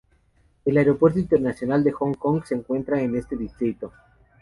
El Aeropuerto Internacional de Hong Kong se encuentra en este distrito.